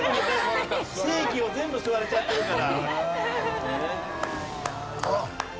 精気を全部吸われちゃってるから。